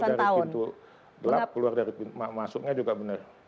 dari pintu gelap keluar dari pintu masuknya juga benar